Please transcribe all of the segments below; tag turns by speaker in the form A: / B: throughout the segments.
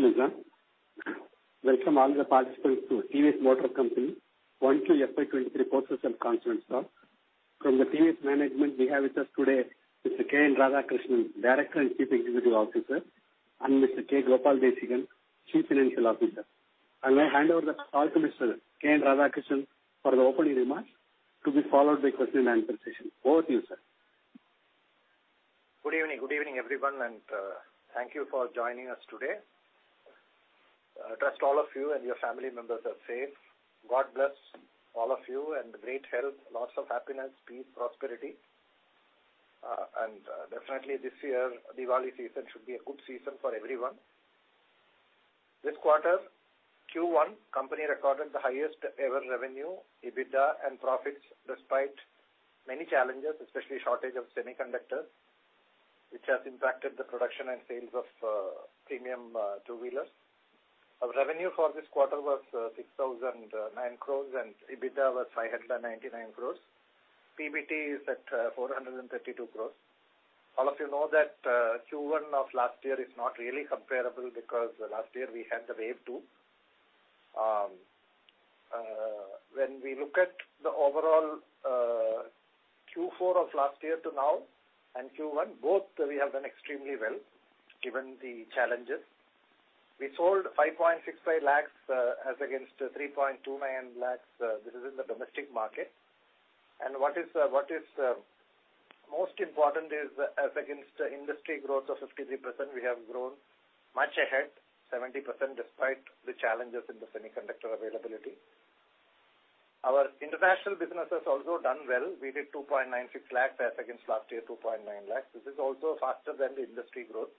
A: Thank you, Lizann. Welcome all the participants to TVS Motor Company Q1 FY 2023 post-results conference call. From the TVS management we have with us today Mr. K N Radhakrishnan, Director and Chief Executive Officer, and Mr. K. Gopala Desikan, Chief Financial Officer. I'll now hand over the call to Mr. K N Radhakrishnan for the opening remarks, to be followed by question-and-answer session. Over to you, sir.
B: Good evening, everyone, and thank you for joining us today. I trust all of you and your family members are safe. God bless all of you, and great health, lots of happiness, peace, prosperity. Definitely this year, Diwali season should be a good season for everyone. This quarter, Q1, company recorded the highest ever revenue, EBITDA and profits, despite many challenges, especially shortage of semiconductors, which has impacted the production and sales of premium two-wheelers. Our revenue for this quarter was 6,009 crore and EBITDA was 599 crore. PBT is at 432 crore. All of you know that Q1 of last year is not really comparable because last year we had the wave 2. When we look at the overall, Q4 of last year to now and Q1, both we have done extremely well given the challenges. We sold 5.65 lakhs as against 3.29 lakhs. This is in the domestic market. What is most important is as against industry growth of 53%, we have grown much ahead, 70%, despite the challenges in the semiconductor availability. Our international business has also done well. We did 2.96 lakh as against last year, 2.9 lakh. This is also faster than the industry growth.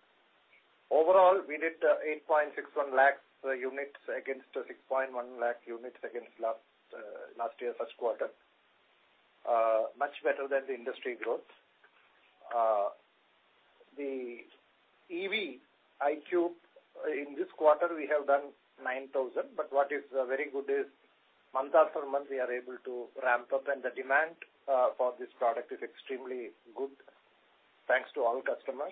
B: Overall, we did 8.61 lakh units against 6.1 lakh units against last year first quarter. Much better than the industry growth. The iQube in this quarter we have done 9,000, but what is very good is month after month we are able to ramp up and the demand for this product is extremely good. Thanks to all customers.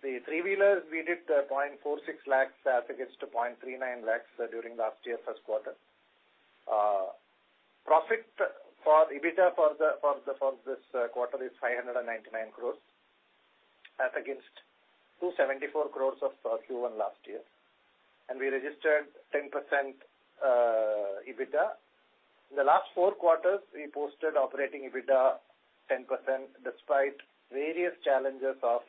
B: The three-wheelers we did 0.46 lakh as against 0.39 lakh during last year Q1. EBITDA for this quarter is 599 crore as against 274 crore of Q1 last year. We registered 10% EBITDA. In the last four quarters, we posted operating EBITDA 10% despite various challenges of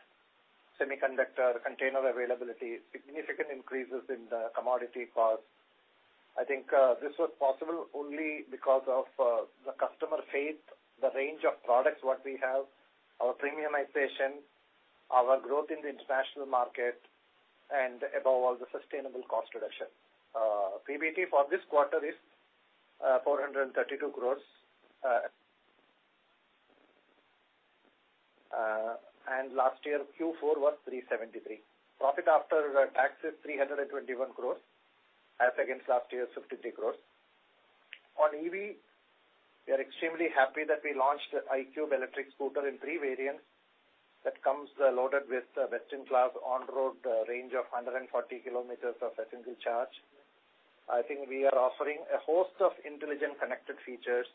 B: semiconductor, container availability, significant increases in the commodity cost. I think this was possible only because of the customer base, the range of products what we have, our premiumization, our growth in the international market, and above all, the sustainable cost reduction. PBT for this quarter is 432 crore. Last year Q4 was 373 crore. Profit after tax is 321 crore as against last year's 53 crore. On EV, we are extremely happy that we launched TVS iQube in three variants that comes loaded with best-in-class on-road range of 140 kilometers on a single charge. I think we are offering a host of intelligent connected features,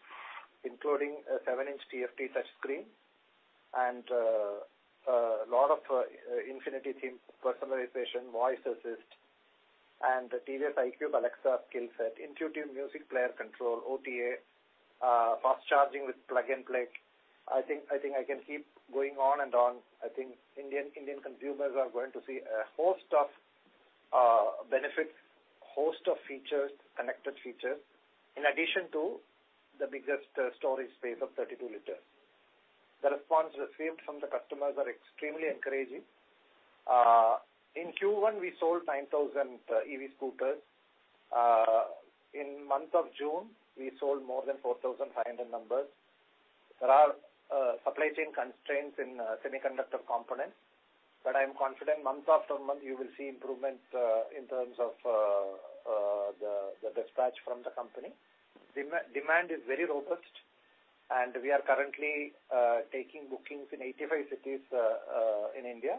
B: including a 7-inch TFT touchscreen and lot of infinity theme personalization, voice assist, and the TVS iQube Alexa skillset, intuitive music player control, OTA, fast charging with plug and play. I think I can keep going on and on. I think Indian consumers are going to see a host of benefits, host of features, connected features, in addition to the biggest storage space of 32 liters. The response received from the customers are extremely encouraging. In Q1, we sold 9,000 EV scooters. In month of June, we sold more than 4,500 numbers. There are supply chain constraints in semiconductor components, but I'm confident month after month you will see improvements in terms of the dispatch from the company. Demand is very robust, and we are currently taking bookings in 85 cities in India.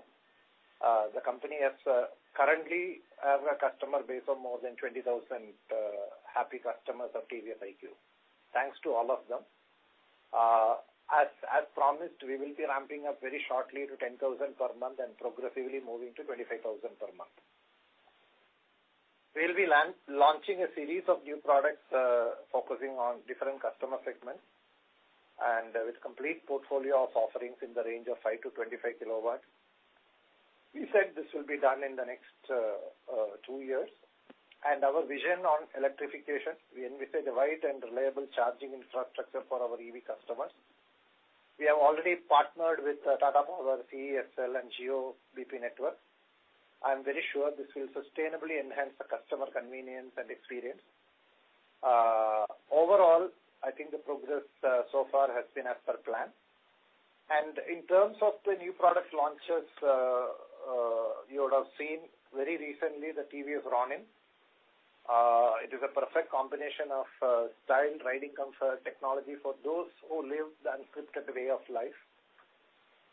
B: The company has currently have a customer base of more than 20,000 happy customers of TVS iQube. Thanks to all of them. As promised, we will be ramping up very shortly to 10,000 per month and progressively moving to 25,000 per month. We'll be launching a series of new products focusing on different customer segments and with complete portfolio of offerings in the range of 5-25 kilowatts. We said this will be done in the next 2 years. Our vision on electrification, we envisage a wide and reliable charging infrastructure for our EV customers. We have already partnered with Tata Power, CESL, and Jio-bp Network. I'm very sure this will sustainably enhance the customer convenience and experience. Overall, I think the progress so far has been as per plan. In terms of the new product launches, you would have seen very recently the TVS Ronin. It is a perfect combination of style, riding comfort, technology for those who live the unscripted way of life.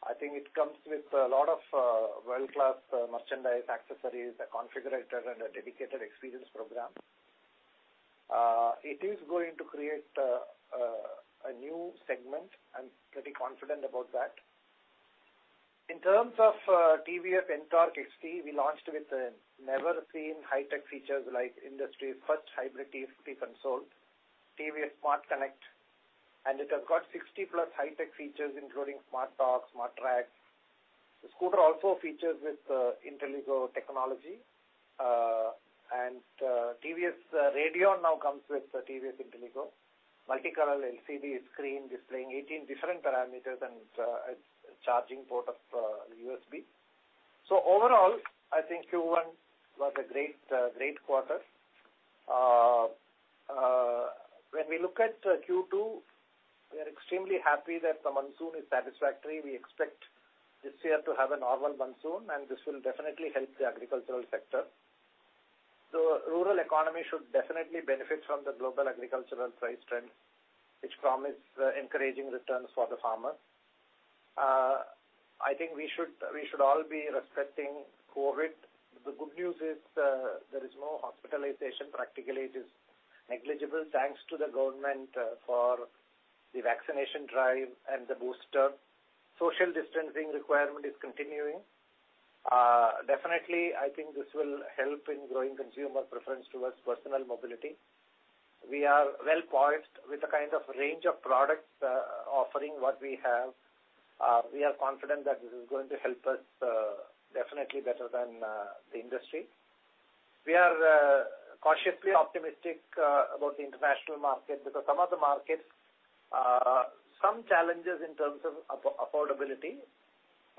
B: I think it comes with a lot of world-class merchandise accessories, a configurator, and a dedicated experience program. It is going to create a new segment. I'm pretty confident about that. In terms of TVS NTORQ 125 XT, we launched with never seen high-tech features like industry first hybrid TFT console, TVS SmartXconnect, and it has got 60-plus high-tech features, including smart talk, smart track. The scooter also features intelliGO technology. TVS Radeon now comes with the TVS intelliGO. Multicolor LCD screen displaying 18 different parameters and a charging port of USB. So overall, I think Q1 was a great quarter. When we look at Q2, we are extremely happy that the monsoon is satisfactory. We expect this year to have a normal monsoon, and this will definitely help the agricultural sector. The rural economy should definitely benefit from the global agricultural price trend, which promise encouraging returns for the farmer. I think we should all be respecting COVID. The good news is, there is no hospitalization. Practically, it is negligible. Thanks to the government, for the vaccination drive and the booster. Social distancing requirement is continuing. Definitely, I think this will help in growing consumer preference towards personal mobility. We are well poised with the kind of range of products, offering what we have. We are confident that this is going to help us, definitely better than the industry. We are cautiously optimistic about the international market because some of the markets, some challenges in terms of affordability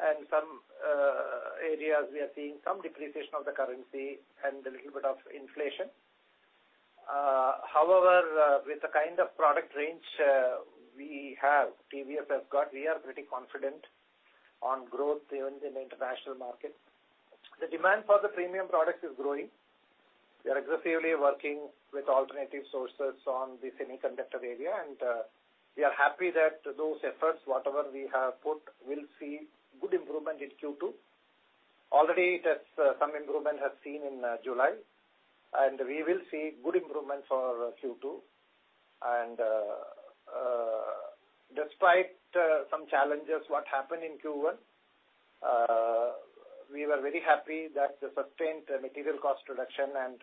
B: and some areas we are seeing some depreciation of the currency and a little bit of inflation. However, with the kind of product range we have, TVS has got, we are pretty confident on growth even in the international market. The demand for the premium products is growing. We are aggressively working with alternative sources on the semiconductor area, and we are happy that those efforts, whatever we have put, will see good improvement in Q2. Already it has, some improvement has seen in July, and we will see good improvements for Q2. Despite some challenges, what happened in Q1, we were very happy that the sustained material cost reduction and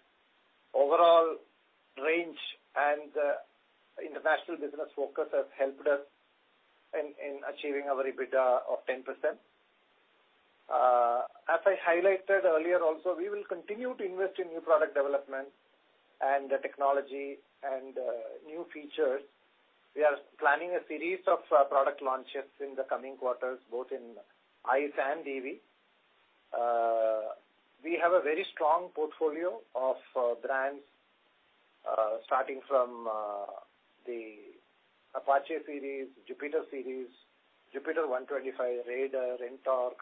B: overall range and international business focus has helped us in achieving our EBITDA of 10%. As I highlighted earlier also, we will continue to invest in new product development and the technology and new features. We are planning a series of product launches in the coming quarters, both in ICE and EV. We have a very strong portfolio of brands, starting from the TVS Apache series, TVS Jupiter series, TVS Jupiter 125, TVS Raider, TVS NTORQ,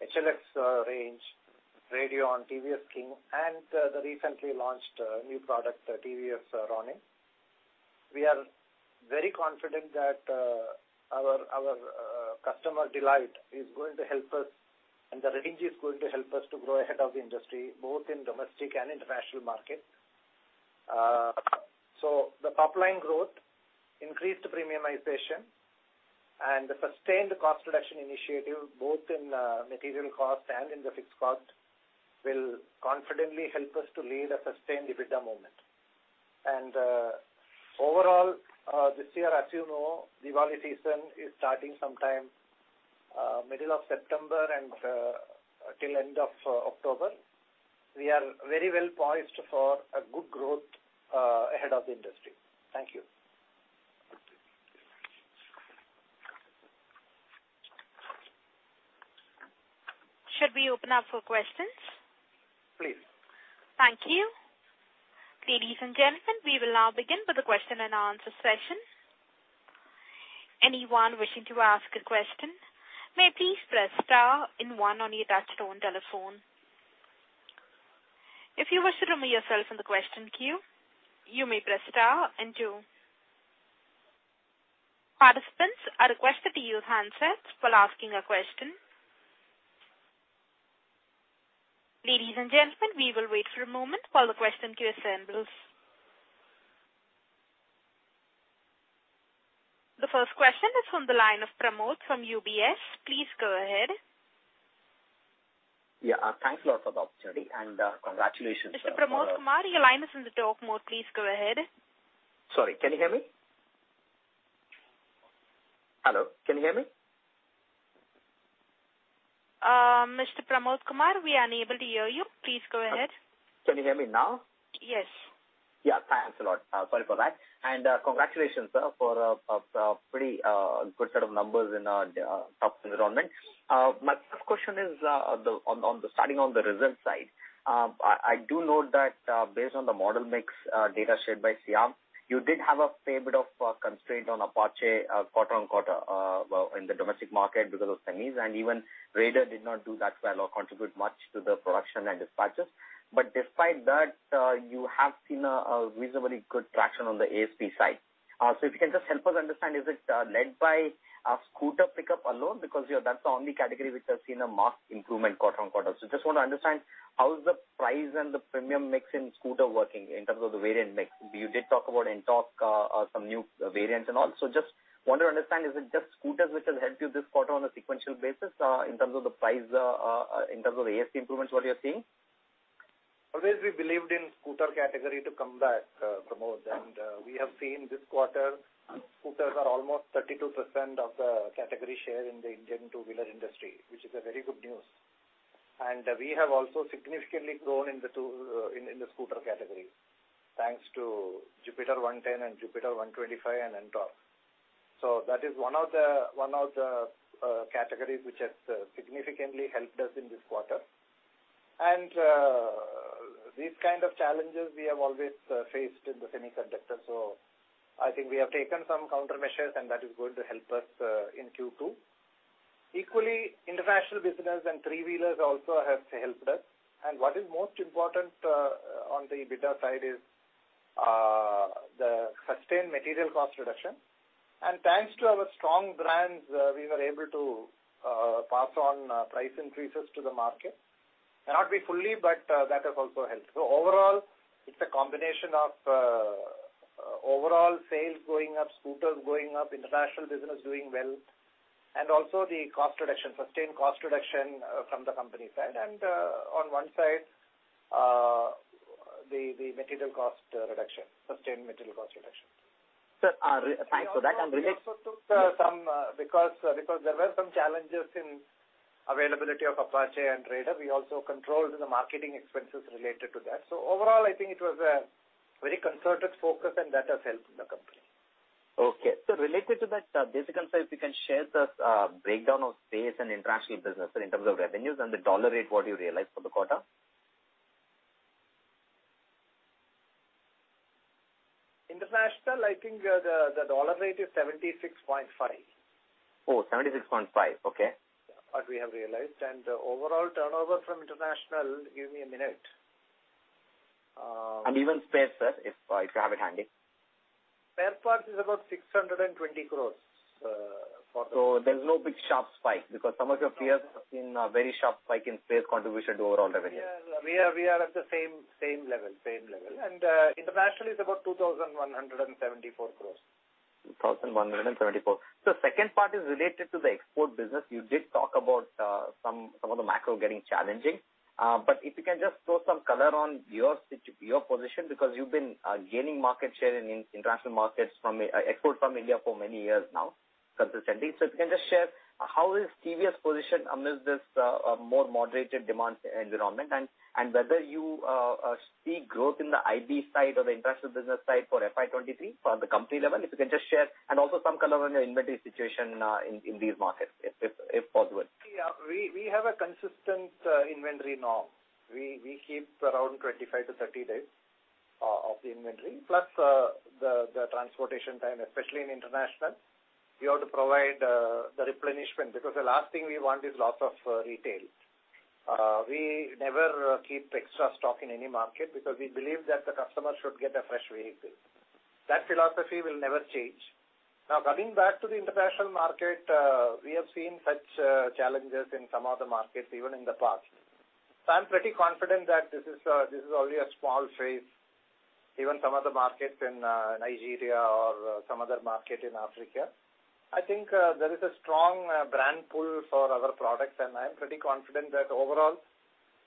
B: TVS HLX range, TVS Radeon, TVS King, and the recently launched new product, the TVS Ronin. We are very confident that our customer delight is going to help us, and the range is going to help us to grow ahead of the industry, both in domestic and international markets. The top line growth, increased premiumization, and the sustained cost reduction initiative, both in material cost and in the fixed cost, will confidently help us to lead a sustained EBITDA margin. Overall, this year, as you know, Diwali season is starting sometime middle of September and till end of October. We are very well poised for a good growth ahead of the industry. Thank you.
C: Should we open up for questions?
B: Please.
C: Thank you. Ladies and gentlemen, we will now begin with the question-and-answer session. Anyone wishing to ask a question may please press Star and 1 on your touchtone telephone. If you wish to remove yourself from the question queue, you may press Star and 2. Participants are requested to use handsets while asking a question. Ladies and gentlemen, we will wait for a moment while the question queue assembles. The first question is from the line of Pramod Kumar from UBS. Please go ahead.
D: Yeah. Thanks a lot for the opportunity and congratulations, sir.
C: Mr. Pramod Kumar, your line is now open. Please go ahead.
D: Sorry, can you hear me? Hello, can you hear me?
C: Mr. Pramod Kumar, we are unable to hear you. Please go ahead.
D: Can you hear me now?
C: Yes.
D: Thanks a lot. Sorry for that. Congratulations, sir, for a pretty good set of numbers in a tough environment. My first question is on the results side. I do note that, based on the model mix data shared by SIAM, you did have a fair bit of constraint on Apache quarter-on-quarter in the domestic market because of semis, and even Raider did not do that well or contribute much to the production and dispatches. Despite that, you have seen a reasonably good traction on the ASP side. If you can just help us understand, is it led by a scooter pickup alone? Because that's the only category which has seen a marked improvement quarter-on-quarter. Just want to understand how is the price and the premium mix in scooter working in terms of the variant mix. You did talk about NTORQ, some new variants and all. Just want to understand, is it just scooters which has helped you this quarter on a sequential basis, in terms of the price, in terms of ASP improvements, what you're seeing?
B: Always believed in scooter category to come back, Pramod. We have seen this quarter scooters are almost 32% of the category share in the Indian two-wheeler industry, which is a very good news. We have also significantly grown in the scooter category. Thanks to Jupiter 110 and Jupiter 125 and NTORQ. That is one of the categories which has significantly helped us in this quarter. These kind of challenges we have always faced in the semiconductor. I think we have taken some countermeasures, and that is going to help us in Q2. Equally, international business and three-wheelers also have helped us. What is most important on the EBITDA side is the sustained material cost reduction. Thanks to our strong brands, we were able to pass on price increases to the market. May not be fully, but that has also helped. Overall, it's a combination of overall sales going up, scooters going up, international business doing well, and also the cost reduction, sustained cost reduction from the company side. On one side, the material cost reduction, sustained material cost reduction.
D: Sir, thanks for that.
B: We also took some because there were some challenges in availability of Apache and Raider, we also controlled the marketing expenses related to that. Overall, I think it was a very concerted focus and that has helped the company.
D: Okay. Related to that, sir, basic insights, you can share the breakdown of sales and international business in terms of revenues and the dollar rate what you realize for the quarter?
B: International, I think the dollar rate is 76.5.
D: Oh, 76.5. Okay.
B: What we have realized. Overall turnover from international, give me a minute.
D: Even spare, sir, if you have it handy.
B: Spare parts is about 620 crore.
D: There's no big sharp spike, because some of your peers have seen a very sharp spike in spares contribution to overall revenue.
B: Yeah. We are at the same level. International is about 2,174 crore.
D: 2,174. Second part is related to the export business. You did talk about some of the macro getting challenging. But if you can just throw some color on your position because you've been gaining market share in international markets from export from India for many years now consistently. If you can just share how TVS is positioned amidst this more moderated demand environment and whether you see growth in the IB side or the international business side for FY 2023 from the company level. If you can just share and also some color on your inventory situation in these markets if possible.
B: Yeah. We have a consistent inventory norm. We keep around 25-30 days of the inventory, plus the transportation time, especially in international. We have to provide the replenishment because the last thing we want is loss of retail. We never keep extra stock in any market because we believe that the customer should get a fresh vehicle. That philosophy will never change. Now, coming back to the international market, we have seen such challenges in some other markets even in the past. I'm pretty confident that this is only a small phase. Even some other markets in Nigeria or some other market in Africa. I think there is a strong brand pull for our products, and I'm pretty confident that overall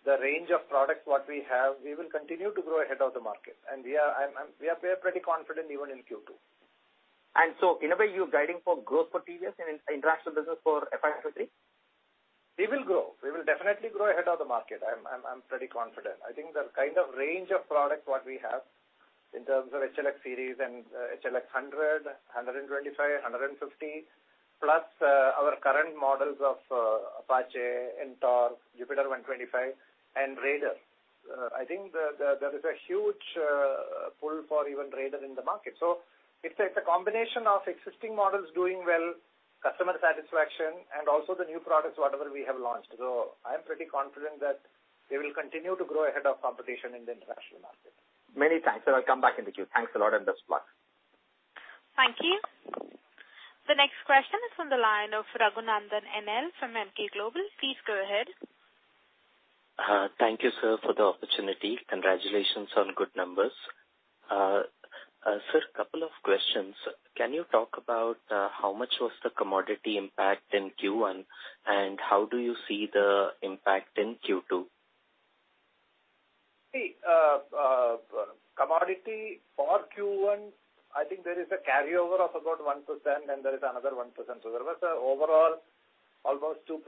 B: the range of products what we have, we will continue to grow ahead of the market. We are pretty confident even in Q2.
D: In a way you're guiding for growth for TVS in international business for FY 2023?
B: We will grow. We will definitely grow ahead of the market. I'm pretty confident. I think the kind of range of products what we have in terms of HLX series and HLX 100, 125, 150, plus our current models of Apache, NTORQ, Jupiter 125 and Raider. I think there is a huge pull for even Raider in the market. It's a combination of existing models doing well, customer satisfaction and also the new products, whatever we have launched. I'm pretty confident that we will continue to grow ahead of competition in the international market.
D: Many thanks. I'll come back in the queue. Thanks a lot, and best luck.
C: Thank you. The next question is from the line of Raghunandan N. L. from Emkay Global. Please go ahead.
E: Thank you, sir, for the opportunity. Congratulations on good numbers. Sir, couple of questions. Can you talk about how much was the commodity impact in Q1, and how do you see the impact in Q2?
B: See, commodity for Q1, I think there is a carryover of about 1% and there is another 1%. There was an overall almost 2%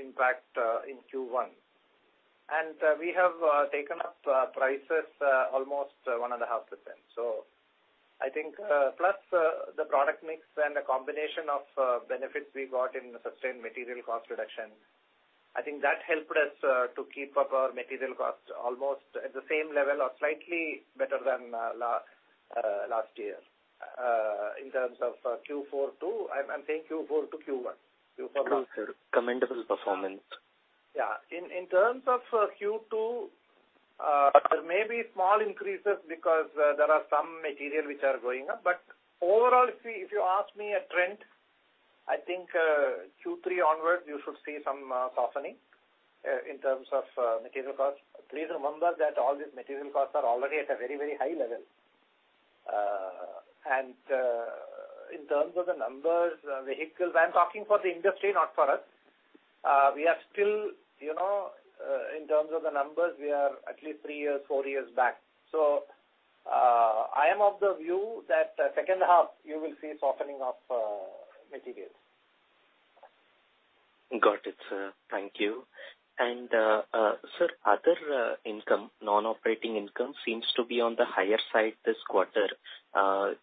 B: impact in Q1. We have taken up prices almost 1.5%. I think, plus the product mix and the combination of benefits we got in sustained material cost reduction, I think that helped us to keep up our material costs almost at the same level or slightly better than last year in terms of Q4 to Q1. I'm saying Q4 to Q1. You forgot.
E: Sir. Commendable performance.
B: In terms of Q2, there may be small increases because there are some material which are going up. Overall, if you ask me a trend, I think Q3 onwards, you should see some softening in terms of material costs. Please remember that all these material costs are already at a very, very high level. In terms of the numbers, vehicles, I'm talking for the industry, not for us. We are still, you know, in terms of the numbers, we are at least 3 years, 4 years back. I am of the view that second half you will see softening of materials.
E: Got it, sir. Thank you. Sir, other income, non-operating income seems to be on the higher side this quarter.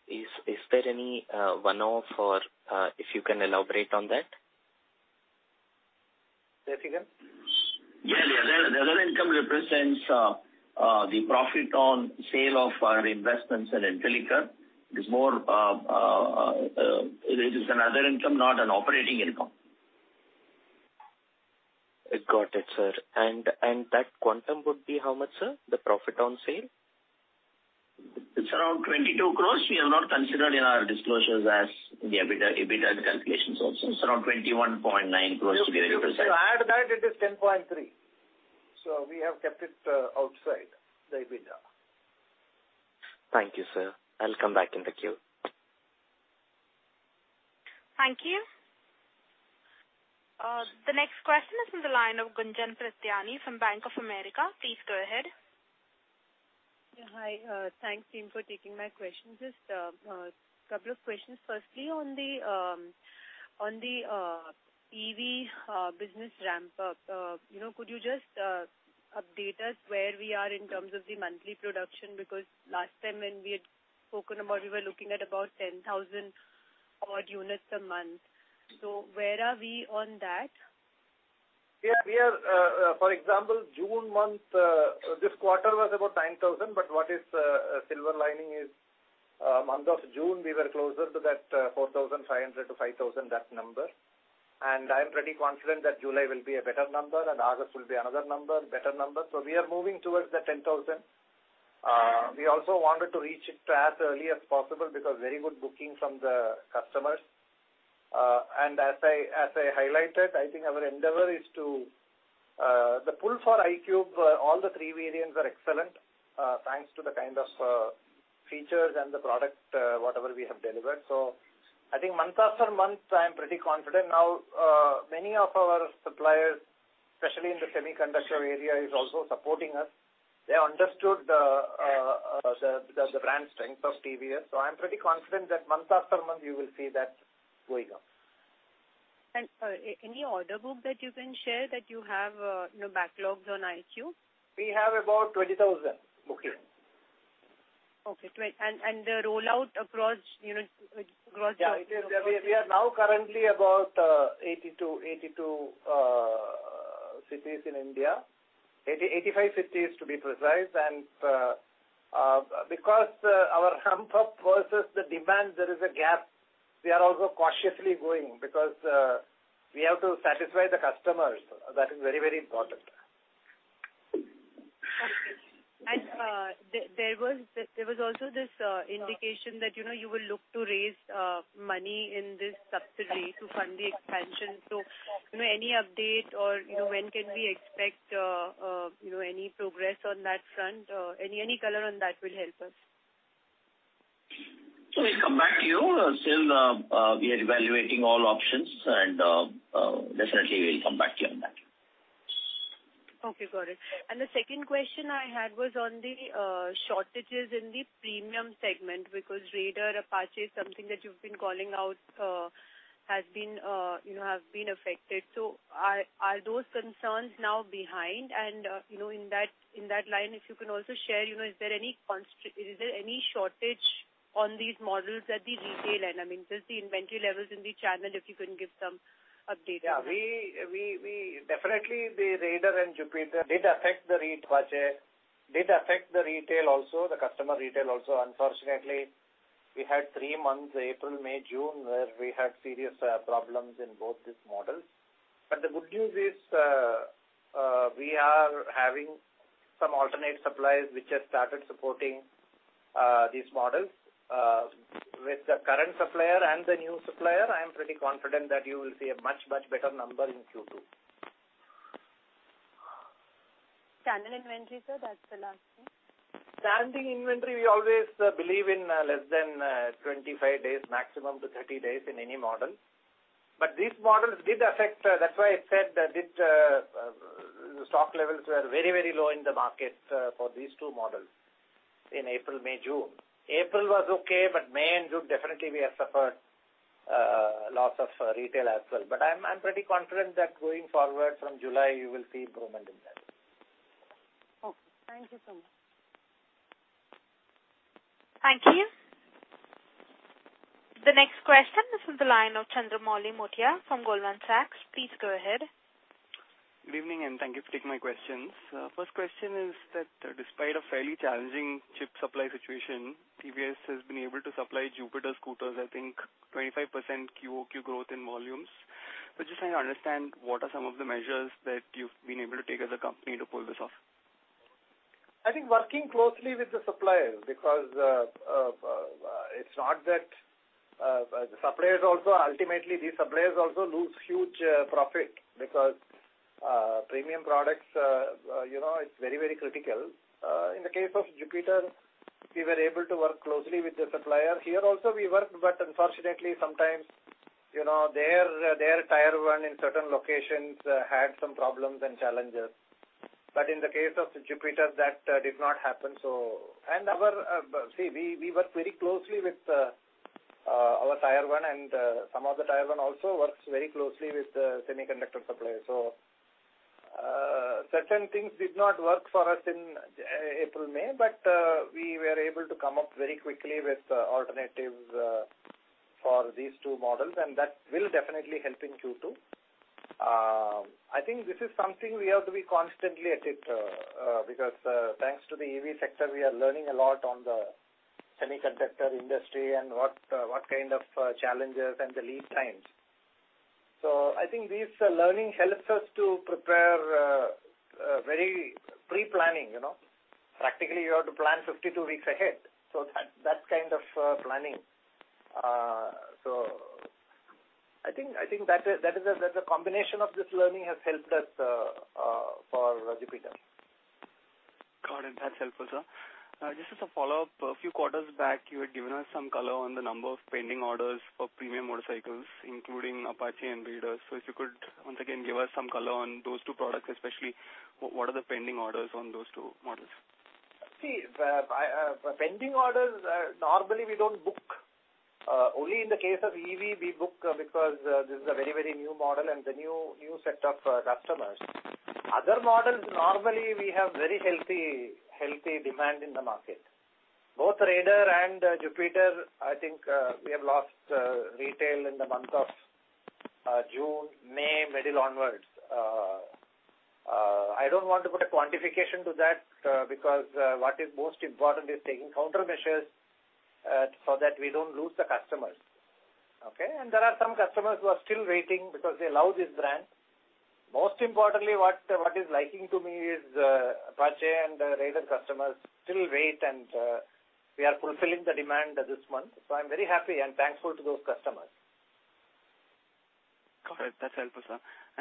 E: Is there any one-off or if you can elaborate on that?
B: Say it again.
F: Yes. The other income represents the profit on sale of our investments in Intellicar. It is another income, not an operating income.
E: Got it, sir. That quantum would be how much, sir, the profit on sale?
F: It's around 22 crore. We have not considered in our disclosures as the EBITDA calculations also. It's around 21.9 crore to be represented.
B: If you add that, it is 10.3%. We have kept it outside the EBITDA.
E: Thank you, sir. I'll come back in the queue.
C: Thank you. The next question is from the line of Gunjan Prithyani from Bank of America. Please go ahead.
G: Yeah, hi. Thanks team for taking my questions. Just a couple of questions. Firstly, on the EV business ramp up, you know, could you just update us where we are in terms of the monthly production? Because last time when we had spoken about, we were looking at about 10,000 odd units a month. Where are we on that?
B: Yeah, we are, for example, June month, this quarter was about 9,000, but what is a silver lining is, month of June we were closer to that, 4,500-5,000, that number. I'm pretty confident that July will be a better number and August will be another number, better number. We are moving towards the 10,000. We also wanted to reach it to as early as possible because very good booking from the customers. As I highlighted, I think our endeavor is to, the pull for iQube, all the 3 variants are excellent, thanks to the kind of, features and the product, whatever we have delivered. I think month after month, I am pretty confident now. Many of our suppliers, especially in the semiconductor area, is also supporting us. They understood the brand strength of TVS. I'm pretty confident that month after month you will see that going on.
G: Any order book that you can share that you have, you know, backlogs on iQube?
B: We have about 20,000 bookings.
G: Okay. The rollout across, you know, across.
B: Yeah, it is. We are now currently about 82 cities in India. 85 cities to be precise. Because our ramp up versus the demand, there is a gap. We are also cautiously going because we have to satisfy the customers. That is very, very important.
G: There was also this indication that, you know, you will look to raise money in this subsidiary to fund the expansion. You know, any update or, you know, when can we expect any progress on that front? Any color on that will help us.
F: We'll come back to you. Still, we are evaluating all options and definitely we'll come back to you on that.
G: Okay. Got it. The second question I had was on the shortages in the premium segment, because Raider, Apache is something that you've been calling out, has been, you know, have been affected. Are those concerns now behind? You know, in that line, if you can also share, you know, is there any shortage on these models at the retail end? I mean, just the inventory levels in the channel, if you can give some update on that.
B: Yeah. We definitely, the Raider and Jupiter did affect the Apache, did affect the retail also, the customer retail also. Unfortunately, we had three months, April, May, June, where we had serious problems in both these models. The good news is, we are having some alternate suppliers which have started supporting these models. With the current supplier and the new supplier, I am pretty confident that you will see a much better number in Q2.
G: Channel inventory, sir. That's the last one.
B: Channel inventory, we always believe in less than 25 days maximum to 30 days in any model. These models did affect, that's why I said that it, the stock levels were very low in the market, for these two models in April, May, June. April was okay, but May and June definitely we have suffered loss of retail as well. I'm pretty confident that going forward from July you will see improvement in that.
G: Okay. Thank you so much.
C: Thank you. The next question is from the line of Chandramouli Muthiah from Goldman Sachs. Please go ahead.
H: Good evening, and thank you for taking my questions. First question is that despite a fairly challenging chip supply situation, TVS has been able to supply Jupiter scooters, I think 25% QoQ growth in volumes. Just trying to understand what are some of the measures that you've been able to take as a company to pull this off?
B: I think working closely with the suppliers because it's not that the suppliers also ultimately lose huge profit because premium products, you know, it's very, very critical. In the case of Jupiter, we were able to work closely with the supplier. Here also we worked, but unfortunately sometimes, you know, their tier one in certain locations had some problems and challenges. In the case of Jupiter, that did not happen. We work very closely with our tier one and some of the tier one also works very closely with the semiconductor suppliers. Certain things did not work for us in April, May, but we were able to come up very quickly with alternatives for these two models, and that will definitely helping Q2. I think this is something we have to be constantly at it, because thanks to the EV sector, we are learning a lot on the semiconductor industry and what kind of challenges and the lead times. I think these learning helps us to prepare very pre-planning, you know. Practically you have to plan 52 weeks ahead. That kind of planning. I think that is the combination of this learning has helped us for Jupiter.
H: Got it. That's helpful, sir. Just as a follow-up, a few quarters back, you had given us some color on the number of pending orders for premium motorcycles, including Apache and Raider. If you could once again give us some color on those two products, especially what are the pending orders on those two models?
B: See, the pending orders normally we don't book. Only in the case of EV we book because this is a very new model and the new set of customers. Other models, normally we have very healthy demand in the market. Both Raider and Jupiter, I think, we have lost retail from mid-May onwards. I don't want to put a quantification to that because what is most important is taking countermeasures so that we don't lose the customers. Okay? There are some customers who are still waiting because they love this brand. Most importantly, what is liking to me is Apache and Raider customers still wait and we are fulfilling the demand this month. I'm very happy and thankful to those customers.
H: Got it. That's helpful, sir.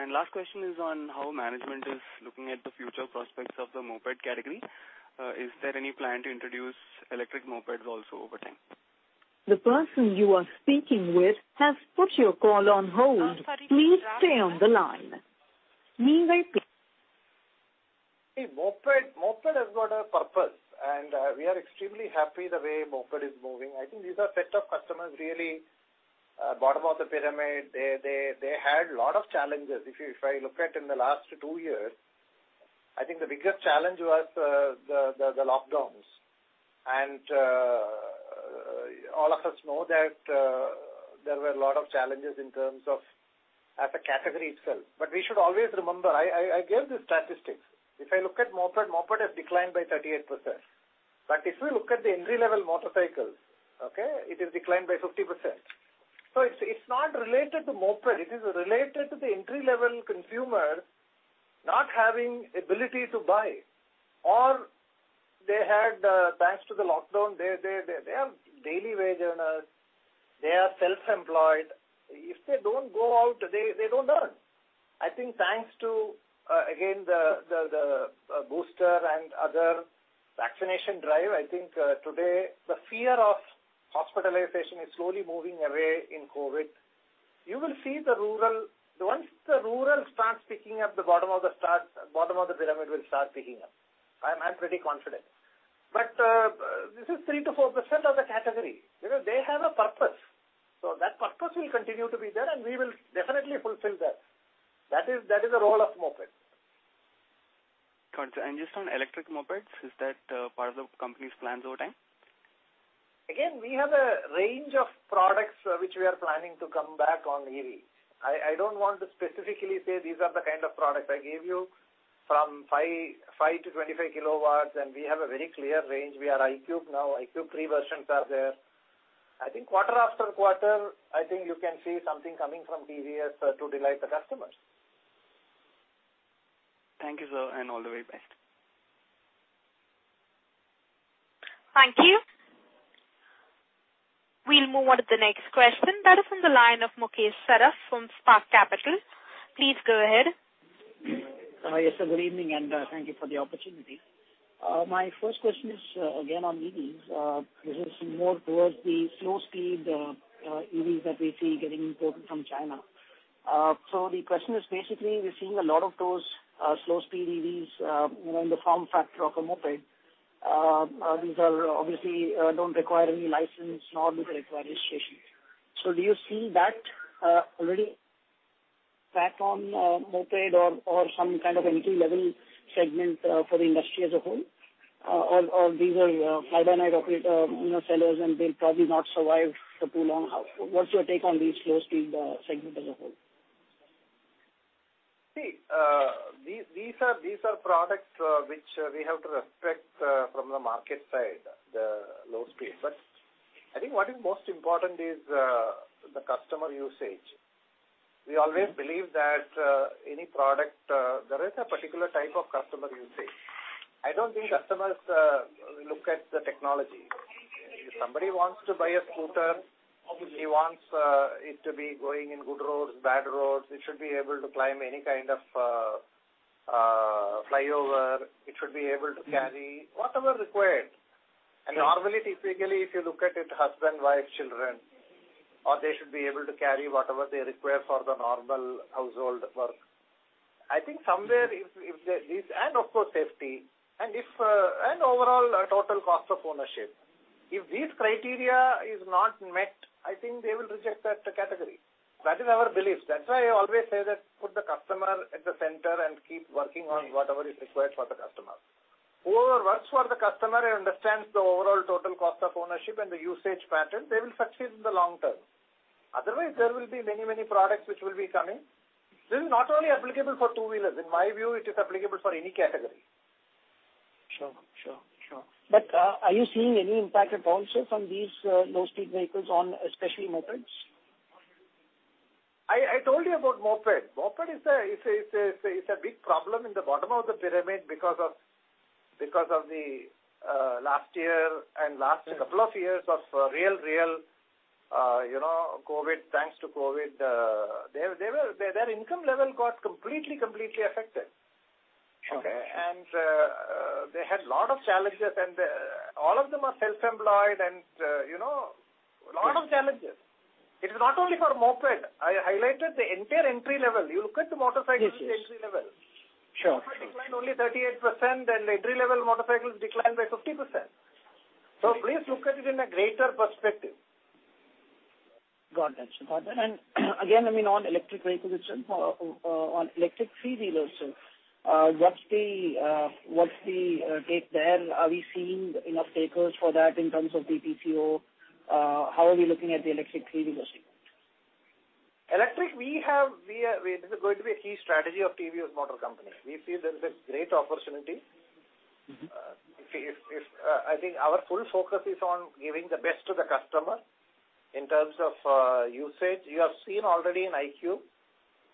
H: Last question is on how management is looking at the future prospects of the moped category. Is there any plan to introduce electric mopeds also over time?
C: The person you are speaking with has put your call on hold. Please stay on the line.
B: Moped has got a purpose, and we are extremely happy the way moped is moving. I think these are set of customers really, bottom of the pyramid. They had lot of challenges. If I look at in the last two years, I think the biggest challenge was the lockdowns. All of us know that there were a lot of challenges in terms of as a category itself. But we should always remember, I gave the statistics. If I look at moped has declined by 38%. But if we look at the entry-level motorcycles, it is declined by 50%. It's not related to moped, it is related to the entry-level consumer not having ability to buy. They had thanks to the lockdown, they are daily wage earners, they are self-employed. If they don't go out, they don't earn. I think thanks to again the booster and other vaccination drive, I think today the fear of hospitalization is slowly moving away in COVID. You will see the rural once the rural starts picking up, the bottom of the pyramid will start picking up. I'm pretty confident. This is 3%-4% of the category. Because they have a purpose. That purpose will continue to be there, and we will definitely fulfill that. That is the role of moped.
H: Got you. Just on electric mopeds, is that part of the company's plans over time?
B: Again, we have a range of products which we are planning to come back on EV. I don't want to specifically say these are the kind of products. I gave you from 5 to 25 kilowatts, and we have a very clear range. We are iQube now. iQube three versions are there. I think quarter after quarter, I think you can see something coming from TVS to delight the customers.
H: Thank you, sir, and all the very best.
C: Thank you. We'll move on to the next question. That is on the line of Mukesh Saraf from Spark Capital. Please go ahead.
I: Yes, sir, good evening, and thank you for the opportunity. My first question is again on EVs. This is more towards the slow speed EVs that we see getting imported from China. The question is basically we're seeing a lot of those slow speed EVs in the form factor of a moped. These obviously don't require any license nor do they require registration. Do you see that already back on moped or some kind of an entry-level segment for the industry as a whole? Or these are fly-by-night operator, you know, sellers, and they'll probably not survive for too long. What's your take on these slow speed segment as a whole?
B: See, these are products which we have to respect from the market side, the low speed. I think what is most important is the customer usage. We always believe that any product there is a particular type of customer usage. I don't think customers look at the technology. If somebody wants to buy a scooter, obviously he wants it to be going in good roads, bad roads. It should be able to climb any kind of flyover. It should be able to carry whatever required. Normally, typically, if you look at it, husband, wife, children or they should be able to carry whatever they require for the normal household work. I think somewhere if there is. Of course, safety and overall total cost of ownership. If these criteria is not met, I think they will reject that category. That is our belief. That's why I always say that put the customer at the center and keep working on whatever is required for the customer. Whoever works for the customer and understands the overall total cost of ownership and the usage pattern, they will succeed in the long term. Otherwise, there will be many, many products which will be coming. This is not only applicable for two-wheelers. In my view, it is applicable for any category.
I: Sure. Are you seeing any impact at all, sir, from these low-speed vehicles on especially mopeds?
B: I told you about moped. Moped is a big problem in the bottom of the pyramid because of the last year and last couple of years of real you know COVID. Thanks to COVID, their income level got completely affected.
I: Okay.
B: They had lot of challenges and all of them are self-employed and you know lot of challenges. It is not only for moped. I highlighted the entire entry level. You look at the motorcycles.
I: Yes, yes.
B: Entry level.
I: Sure.
B: Moped declined only 38% and the entry level motorcycles declined by 50%. Please look at it in a greater perspective.
I: Got that. Again, I mean, on electric vehicles, sir, on electric three-wheelers, sir. What's the take there? Are we seeing enough takers for that in terms of the TCO? How are we looking at the electric three-wheelers?
B: Electric, this is going to be a key strategy of TVS Motor Company. We feel there is a great opportunity.
I: Mm-hmm.
B: I think our full focus is on giving the best to the customer in terms of usage. You have seen already in iQube.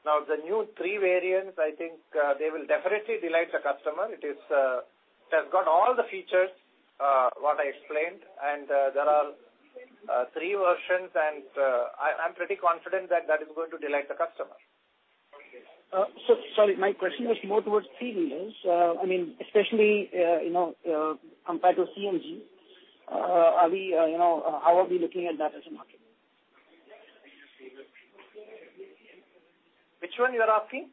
B: Now, the new three variants, I think, they will definitely delight the customer. It has got all the features what I explained, and there are three versions and I'm pretty confident that is going to delight the customer.
I: Sorry. My question was more towards three-wheelers. I mean, especially, you know, compared to CNG, how are we looking at that as a market?
B: Which one you are asking?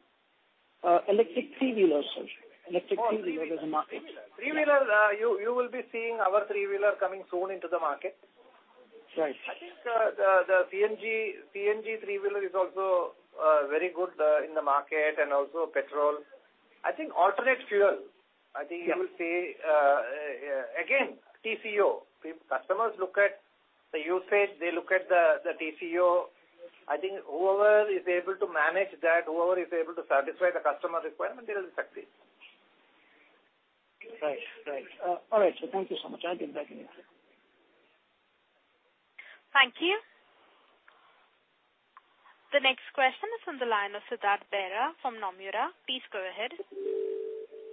I: Electric three-wheelers, sir. Electric three-wheeler as a market.
B: Three-wheeler, you will be seeing our three-wheeler coming soon into the market.
I: Right.
B: I think the CNG three-wheeler is also very good in the market and also petrol. I think alternate fuel.
I: Yeah.
B: I think you will see, again, TCO. Customers look at the usage. They look at the TCO. I think whoever is able to manage that, whoever is able to satisfy the customer requirement, they will succeed.
I: Right. All right, sir. Thank you so much.
C: Thank you. The next question is on the line of Siddhartha Bera from Nomura. Please go ahead.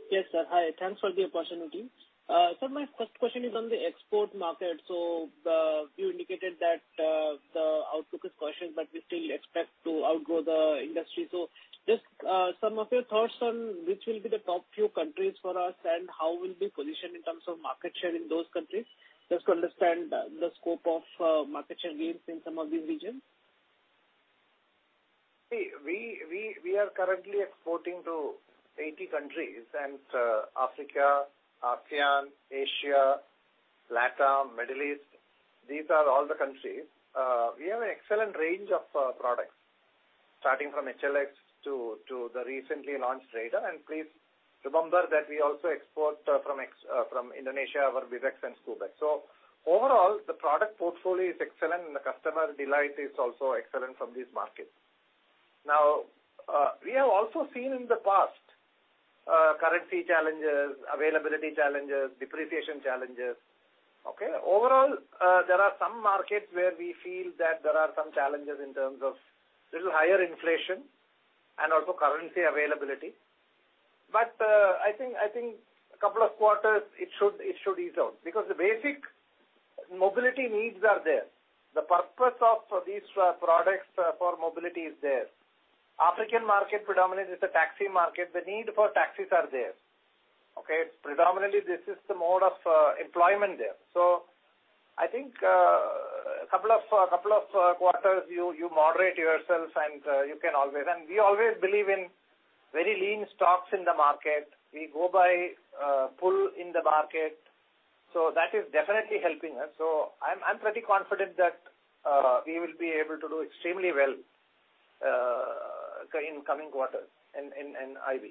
J: Yes, sir. Hi. Thanks for the opportunity. My first question is on the export market. You indicated that the outlook is cautious, but we still expect to outgrow the industry. Just some of your thoughts on which will be the top few countries for us and how we'll be positioned in terms of market share in those countries. Just to understand the scope of market share gains in some of these regions.
B: We are currently exporting to 80 countries and Africa, ASEAN, Asia, Latin, Middle East, these are all the countries. We have an excellent range of products, starting from HLX to the recently launched Raider. Please remember that we also export from Indonesia, our ViREX and HLX. Overall, the product portfolio is excellent and the customer delight is also excellent from these markets. Now, we have also seen in the past, currency challenges, availability challenges, depreciation challenges. Okay. Overall, there are some markets where we feel that there are some challenges in terms of little higher inflation and also currency availability. I think a couple of quarters it should ease out. Because the basic mobility needs are there. The purpose of these products for mobility is there. African market predominantly is a taxi market. The need for taxis are there. Okay? Predominantly this is the mode of employment there. I think couple of quarters you moderate yourself and you can always. We always believe in very lean stocks in the market. We go by pull in the market. That is definitely helping us. I'm pretty confident that we will be able to do extremely well in coming quarters in IV.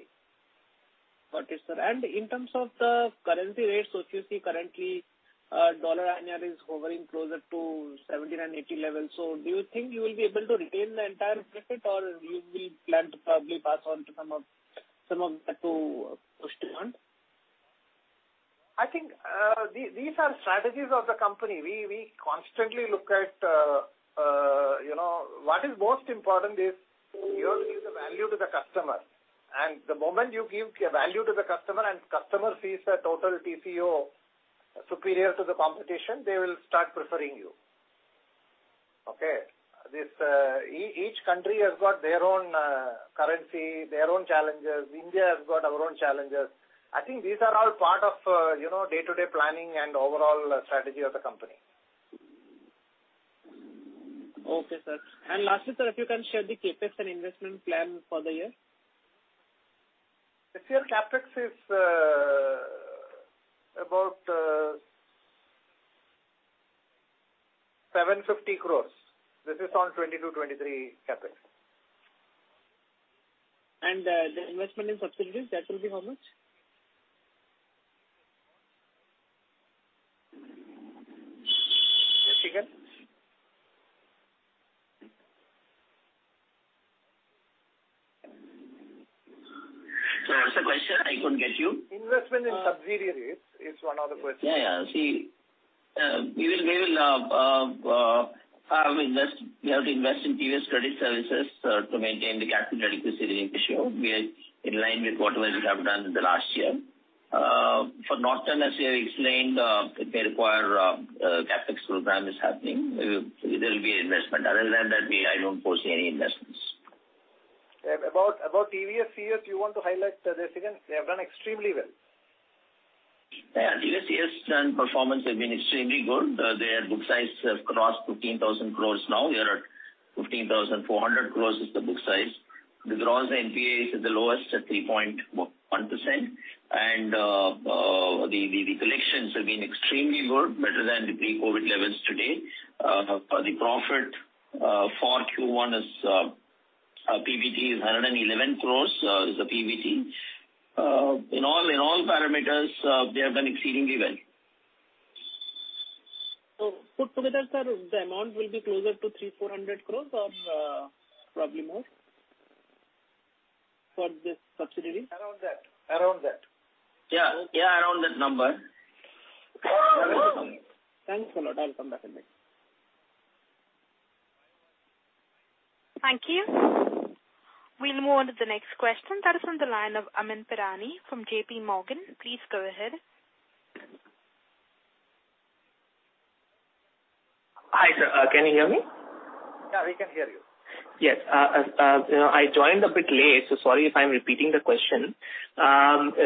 J: Got it, sir. In terms of the currency rates, which you see currently, dollar INR is hovering closer to 70 and 80 levels. Do you think you will be able to retain the entire profit or you will plan to probably pass on to some of that to push demand?
B: I think these are strategies of the company. We constantly look at you know, what is most important is you have to give the value to the customer. The moment you give value to the customer and customer sees a total TCO superior to the competition, they will start preferring you. Okay. Each country has got their own currency, their own challenges. India has got our own challenges. I think these are all part of you know, day-to-day planning and overall strategy of the company.
J: Okay, sir. Lastly, sir, if you can share the CapEx and investment plan for the year.
B: This year CapEx is about 750 crores. This is on 2022-2023 CapEx.
J: The investment in subsidiaries, that will be how much?
F: Sorry, what's the question? I couldn't get you.
B: Investment in subsidiaries is one of the questions.
F: Yeah, yeah. See, we will, we have to invest in TVS Credit Services to maintain the capital adequacy ratio. We are in line with whatever we have done in the last year. For Norton, as we have explained, if they require, a CapEx program is happening, there will be investment. Other than that, I don't foresee any investments.
B: About TVS, here you want to highlight the resilience. They have done extremely well.
F: Yeah. TVS's performance has been extremely good. Their book size has crossed 15,000 crores now. We are at 15,400 crores is the book size. The gross NPA is at the lowest at 3.1%. The collections have been extremely good, better than the pre-COVID levels today. The profit for Q1 is PBT is INR 111 crores is the PBT. In all parameters, they have done exceedingly well.
J: Put together, sir, the amount will be closer to 300-400 crore or probably more for this subsidiary.
B: Around that.
F: Yeah. Yeah. Around that number.
J: Thanks a lot. I'll come back in next.
C: Thank you. We'll move on to the next question. That is on the line of Amyn Pirani from JPMorgan. Please go ahead.
K: Hi, sir. Can you hear me?
B: Yeah, we can hear you.
K: Yes. You know, I joined a bit late, so sorry if I'm repeating the question.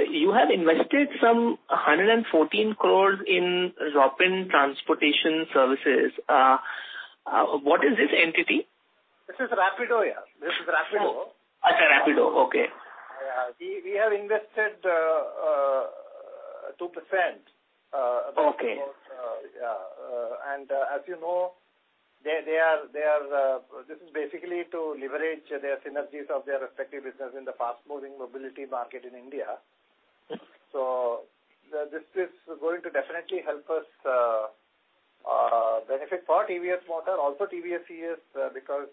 K: You have invested some 114 crore in Roppen Transportation Services. What is this entity?
B: This is Rapido, yeah. This is Rapido.
K: Oh. Rapido. Okay.
B: Yeah. We have invested 2%.
K: Okay.
B: Yeah. As you know, they are. This is basically to leverage their synergies of their respective business in the fast-moving mobility market in India. This is going to definitely help us benefit for TVS Motor, also TVS Credit, because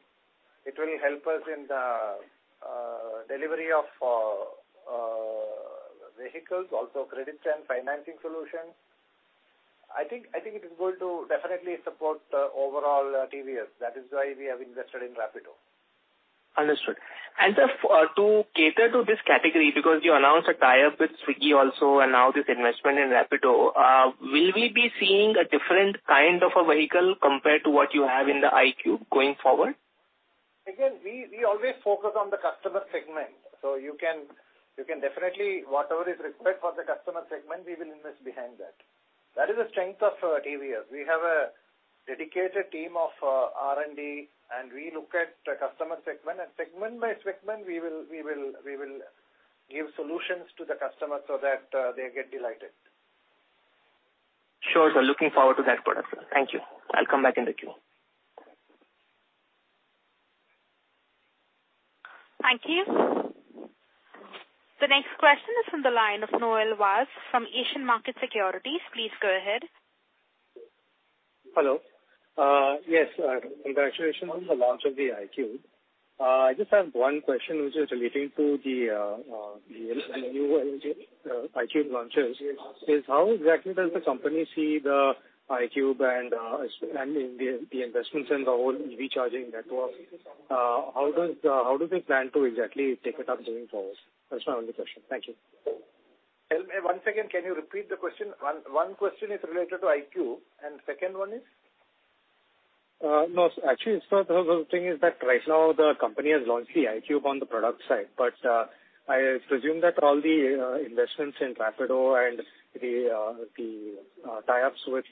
B: it will help us in the delivery of vehicles, also credit and financing solutions. I think it is going to definitely support overall TVS. That is why we have invested in Rapido.
K: Understood. To cater to this category, because you announced a tie-up with Swiggy also and now this investment in Rapido, will we be seeing a different kind of a vehicle compared to what you have in the iQube going forward?
B: Again, we always focus on the customer segment. You can definitely, whatever is required for the customer segment, we will invest behind that. That is the strength of TVS. We have a dedicated team of R&D, and we look at the customer segment, and segment by segment, we will give solutions to the customer so that they get delighted.
K: Sure, sir. Looking forward to that product, sir. Thank you. I'll come back in the queue.
C: Thank you. The next question is from the line of Noel Vaz from Asian Markets Securities. Please go ahead.
L: Hello. Yes, congratulations on the launch of the iQube. I just have one question which is relating to the new iQube launches, is how exactly does the company see the iQube and the investments and the whole EV charging network, how do they plan to exactly take it up going forward? That's my only question. Thank you.
B: One second. Can you repeat the question? One question is related to iQube, and second one is?
L: No. Actually, sir, the thing is that right now the company has launched the iQube on the product side. I presume that all the investments in Rapido and the tie-ups with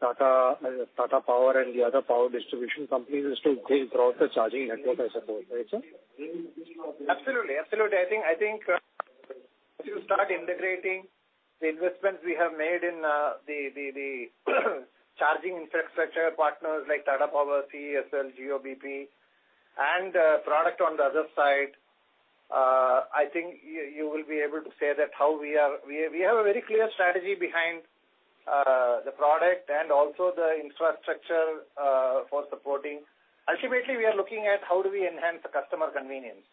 L: Tata Power and the other power distribution companies is to build out the charging network, I suppose. Right, sir?
B: Absolutely. I think to start integrating the investments we have made in the charging infrastructure partners like Tata Power, CESL, Jio-bp, and product on the other side, I think you will be able to see how we are. We have a very clear strategy behind the product and also the infrastructure for supporting. Ultimately, we are looking at how do we enhance the customer convenience.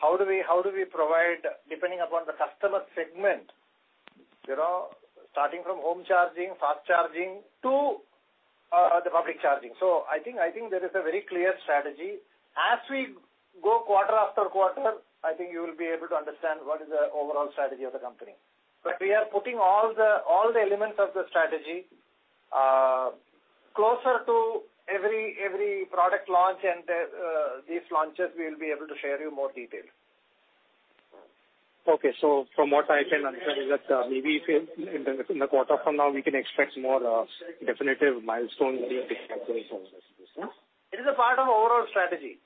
B: How do we provide, depending upon the customer segment, you know, starting from home charging, fast charging to the public charging. I think there is a very clear strategy. As we go quarter after quarter, I think you will be able to understand what is the overall strategy of the company. We are putting all the elements of the strategy closer to every product launch and these launches we will be able to share you more details.
L: Okay. From what I can understand is that maybe in the quarter from now we can expect more definitive milestones.
B: It is a part of overall strategy.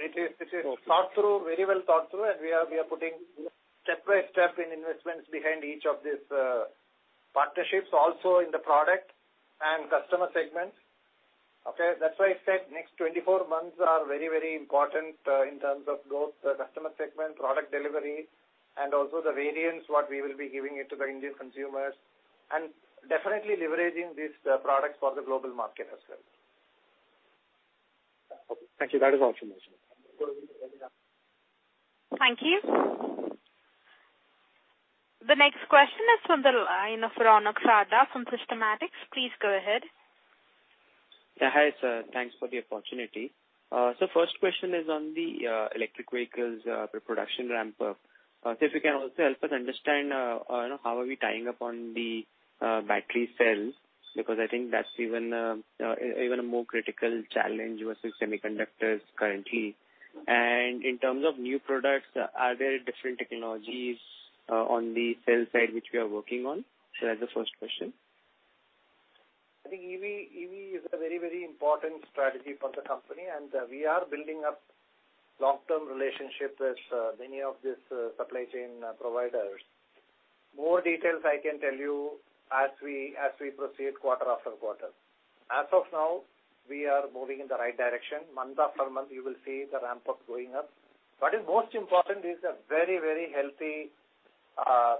B: It is thought through, very well thought through, and we are putting step by step in investments behind each of these partnerships also in the product and customer segments. Okay? That's why I said next 24 months are very, very important in terms of growth, customer segment, product delivery, and also the variants, what we will be giving it to the Indian consumers, and definitely leveraging these products for the global market as well.
L: Okay. Thank you. That is all from my side.
C: Thank you. The next question is from the line of Ronak Sarda from Systematix. Please go ahead.
M: Yeah. Hi, sir. Thanks for the opportunity. First question is on the electric vehicles production ramp up. If you can also help us understand, you know, how are we tying up on the battery cells, because I think that's even a more critical challenge versus semiconductors currently. In terms of new products, are there different technologies on the sales side which we are working on? Sir, that's the first question.
B: I think EV is a very, very important strategy for the company, and we are building up long-term relationships with many of these supply chain providers. More details I can tell you as we proceed quarter after quarter. As of now, we are moving in the right direction. Month after month, you will see the ramp up going up. What is most important is a very, very healthy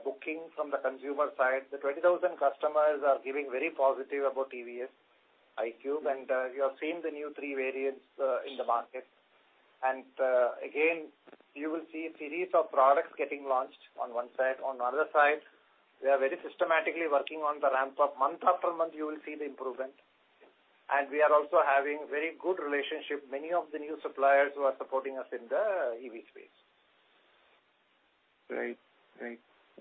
B: booking from the consumer side. The 20,000 customers are giving very positive about EV's iQube, and you have seen the new three variants in the market. Again, you will see a series of products getting launched on one side. On the other side, we are very systematically working on the ramp up. Month after month you will see the improvement. We are also having very good relationship, many of the new suppliers who are supporting us in the EV space.
M: Right.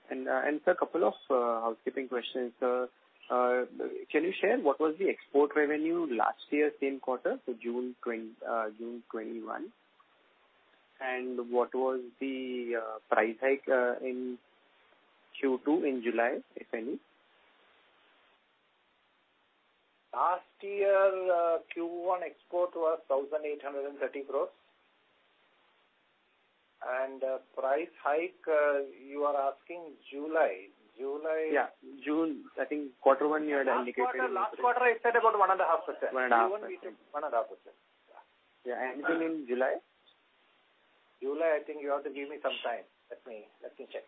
M: Sir, a couple of housekeeping questions. Can you share what was the export revenue last year same quarter, so June 2021? What was the price hike in Q2 in July, if any?
B: Last year, Q1 export was 1,830 crores. Price hike you are asking July.
M: Yeah. June. I think quarter one you had indicated.
B: Last quarter I said about 1.5%.
M: 1.5%.
B: Q1 we took 1.5%.
M: Yeah. Anything in July?
B: July, I think you have to give me some time. Let me check.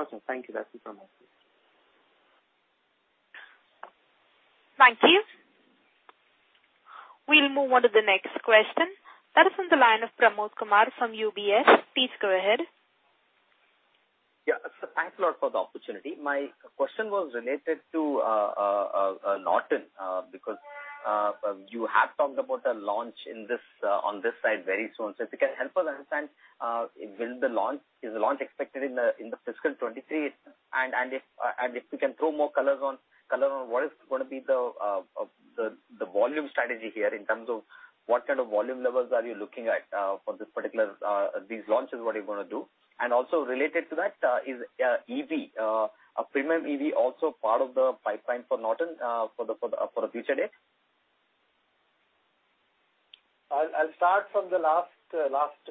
M: Okay. Thank you. That's it from my side.
C: Thank you. We'll move on to the next question. That is from the line of Pramod Kumar from UBS. Please go ahead.
D: Yeah. Sir, thanks a lot for the opportunity. My question was related to Norton because you have talked about the launch on this side very soon. If you can help us understand when the launch is expected in the Fiscal 2023? And if you can throw more color on what is gonna be the volume strategy here in terms of what kind of volume levels are you looking at for these launches, what you're gonna do. Also related to that, is EV. Are premium EV also part of the pipeline for Norton for the future days?
B: I'll start from the last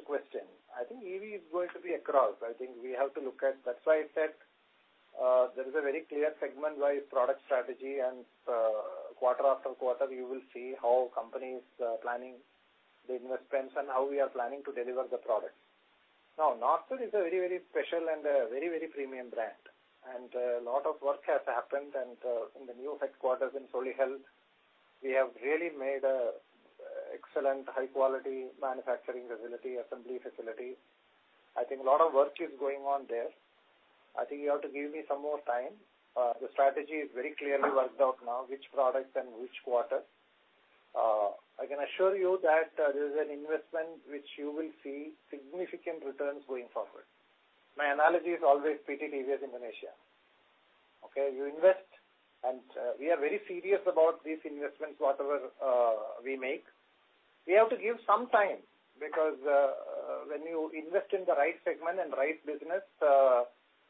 B: question. I think EV is going to be across. I think we have to look at. That's why I said, there is a very clear segment-wise product strategy and, quarter after quarter you will see how company is, planning the investments and how we are planning to deliver the product. Now, Norton is a very, very special and a very, very premium brand, and a lot of work has happened and, in the new headquarters in Solihull, we have really made an excellent high quality manufacturing facility, assembly facility. I think a lot of work is going on there. I think you have to give me some more time. The strategy is very clearly worked out now, which product and which quarter. I can assure you that there is an investment which you will see significant returns going forward. My analogy is always PT TVS Motor Company Indonesia. Okay? You invest, and we are very serious about these investments, whatever we make. We have to give some time because when you invest in the right segment and right business,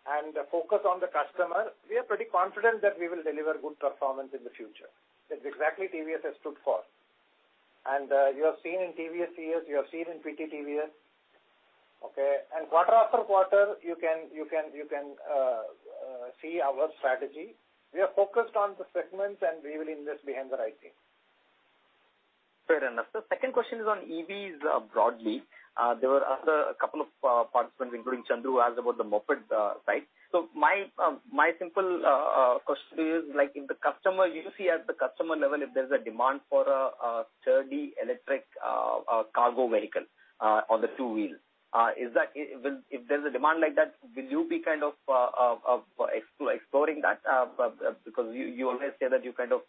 B: and focus on the customer, we are pretty confident that we will deliver good performance in the future. That's exactly TVS has stood for. You have seen in TVS years, you have seen in PT TVS Motor Company Indonesia. Okay? Quarter after quarter, you can see our strategy. We are focused on the segments and we will invest behind the right thing.
D: Fair enough, sir. Second question is on EVs broadly. There were other couple of participants, including Chandu, who asked about the moped side. My simple question is, like if the customer do you see at the customer level if there's a demand for a sturdy electric cargo vehicle on the two wheel? Is that? If there's a demand like that, will you be kind of exploring that? Because you always say that you kind of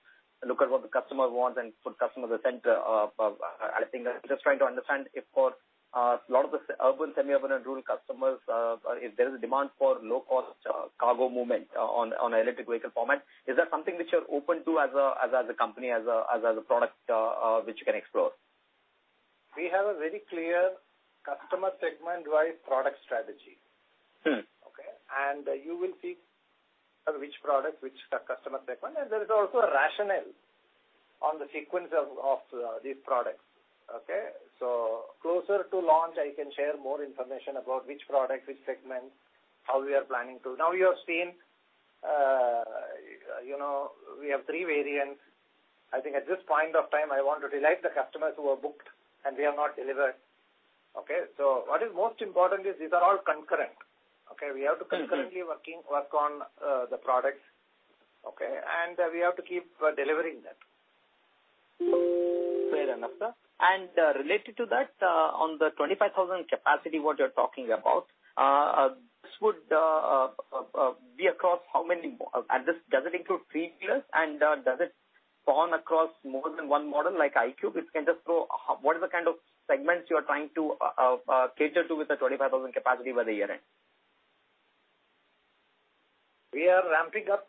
D: look at what the customer wants and put customers at center of. I think I'm just trying to understand if for a lot of the urban, semi-urban and rural customers if there is a demand for low cost cargo movement on electric vehicle format. Is that something which you're open to as a company, as a product, which you can explore?
B: We have a very clear customer segment-wise product strategy.
D: Mm.
B: Okay? You will see which product, which customer segment. There is also a rationale on the sequence of these products. Okay? Closer to launch, I can share more information about which product, which segment, how we are planning to. Now you have seen, you know, we have three variants. I think at this point of time, I want to delight the customers who are booked and we have not delivered. Okay? What is most important is these are all concurrent. Okay?
D: Mm-hmm.
B: We have to concurrently work on the products. Okay? We have to keep delivering that.
D: Fair enough, sir. Related to that, on the 25,000 capacity you're talking about, this would be across how many? This, does it include three-wheelers and does it span across more than one model like iQube? If you can just throw light on what is the kind of segments you are trying to cater to with the 25,000 capacity over a year?
B: We are ramping up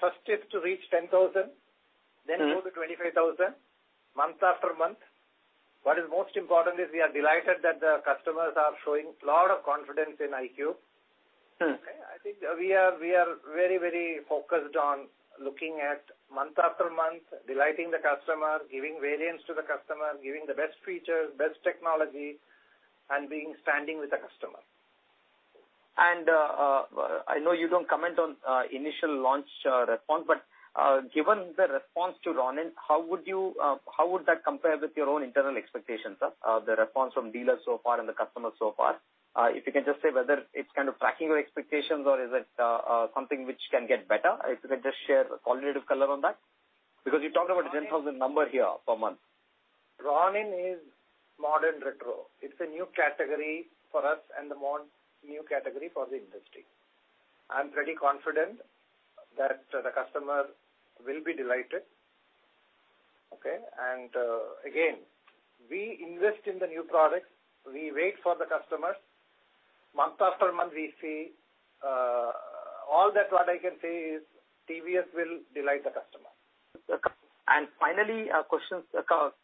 B: first step to reach 10,000.
D: Mm-hmm.
B: Go to 25,000 month after month. What is most important is we are delighted that the customers are showing lot of confidence in iQube.
D: Mm.
B: Okay? I think we are very, very focused on looking at month after month, delighting the customer, giving variants to the customer, giving the best features, best technology, and being standing with the customer.
D: I know you don't comment on initial launch response, but given the response to Ronin, how would that compare with your own internal expectations, sir? The response from dealers so far and the customers so far. If you can just say whether it's kind of tracking your expectations or is it something which can get better? If you can just share qualitative color on that. Because you talked about 10,000 number here per month.
B: Ronin is modern retro. It's a new category for us and the more new category for the industry. I'm pretty confident that the customer will be delighted. Okay? Again, we invest in the new products. We wait for the customers. Month after month, we see. All that what I can say is TVS will delight the customer.
D: Finally,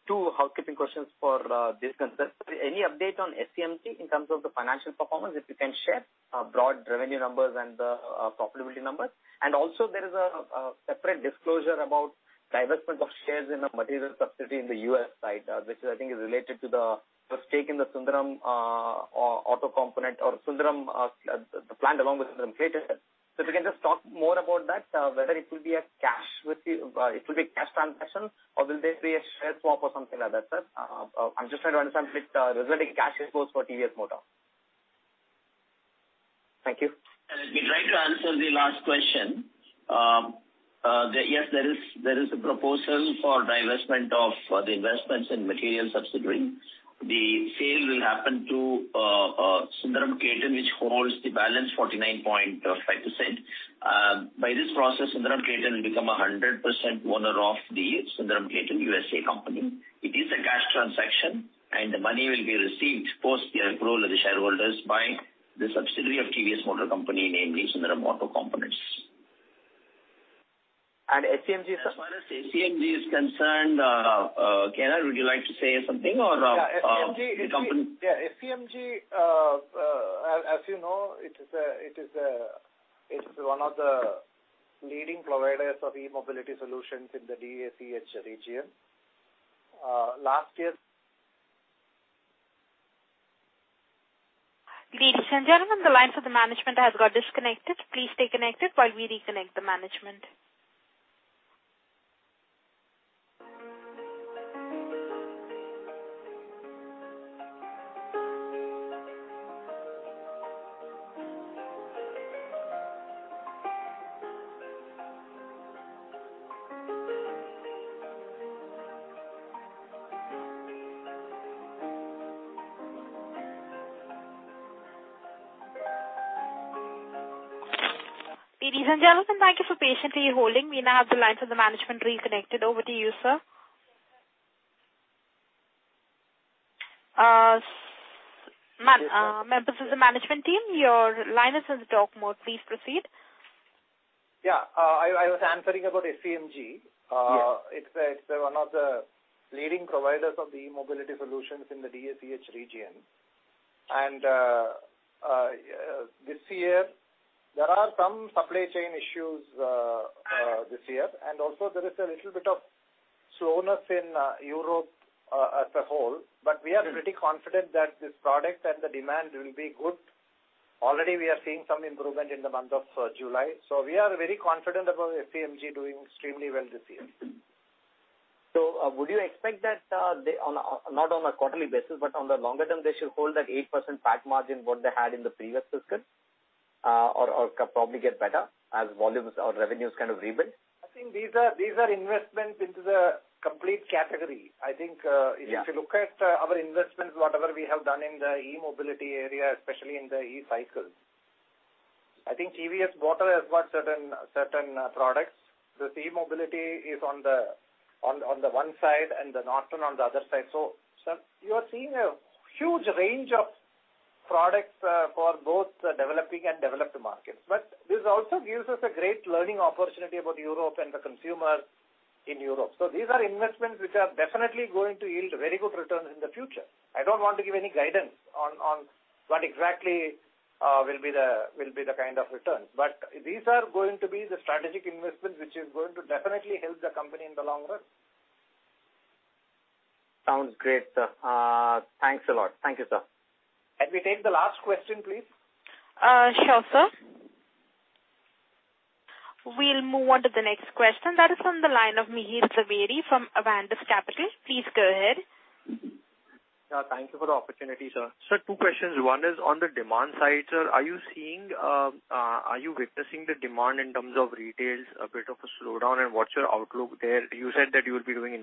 D: two housekeeping questions for business. Any update on SEMG in terms of the financial performance? If you can share broad revenue numbers and the profitability numbers. Also there is a separate disclosure about divestment of shares in a material subsidiary in the U.S. side, which I think is related to your stake in the Sundaram Auto Components, the plant along with Sundaram-Clayton. If you can just talk more about that, whether it will be a cash transaction or will there be a share swap or something like that, sir? I'm just trying to understand a bit resulting cash exposure for TVS Motor. Thank you.
F: Let me try to answer the last question. Yes, there is a proposal for divestment of the investments in material subsidiary. The sale will happen to Sundaram-Clayton, which holds the balance 49.5%. By this process, Sundaram-Clayton will become a 100% owner of the Sundaram-Clayton USA company. It is a cash transaction, and the money will be received post the approval of the shareholders by the subsidiary of TVS Motor Company, namely Sundaram Auto Components.
D: SEMG, sir?
F: As far as SEMG is concerned, K N, would you like to say something or the company.
B: Yeah, SEMG, as you know, it's one of the leading providers of e-mobility solutions in the DACH region. Last year-
C: Ladies and gentlemen, the lines of the management has got disconnected. Please stay connected while we reconnect the management. Ladies and gentlemen, thank you for patiently holding. We now have the lines of the management reconnected. Over to you, sir.
B: Yes.
C: Members of the management team, your line is in talk mode. Please proceed.
B: Yeah. I was answering about SEMG. It's one of the leading providers of the e-mobility solutions in the DACH region. This year there are some supply chain issues this year. Also there is a little bit of slowness in Europe as a whole. We are pretty confident that this product and the demand will be good. Already we are seeing some improvement in the month of July. We are very confident about SEMG doing extremely well this year.
D: Would you expect that they not on a quarterly basis, but on the longer term, they should hold that 8% PAT margin, what they had in the previous fiscal, or probably get better as volumes or revenues kind of rebuild?
B: I think these are investments into the complete category. I think
D: Yeah.
B: If you look at our investments, whatever we have done in the e-mobility area, especially in the e-cycle, I think TVS Motor has got certain products. This e-mobility is on the one side and the Norton on the other side. You are seeing a huge range of products for both developing and developed markets. This also gives us a great learning opportunity about Europe and the consumer in Europe. These are investments which are definitely going to yield very good returns in the future. I don't want to give any guidance on what exactly will be the kind of returns, but these are going to be the strategic investments which is going to definitely help the company in the long run.
D: Sounds great, sir. Thanks a lot. Thank you, sir.
B: Can we take the last question, please?
C: Sure, sir. We'll move on to the next question. That is on the line of Mihir Jhaveri from Avendus Capital. Please go ahead.
N: Yeah, thank you for the opportunity, sir. Sir, two questions. One is on the demand side, sir. Are you seeing are you witnessing the demand in terms of retail a bit of a slowdown and what's your outlook there? You said that you will be doing